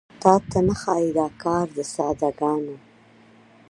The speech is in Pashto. تاته نه ښايي دا کار د ساده ګانو ,